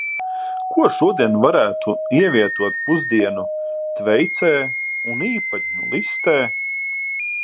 Ko šodien varētu ievietot Pusdienu tveicē un Īpatņu listē.